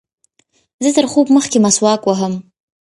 زه تر خوب مخکښي مسواک وهم.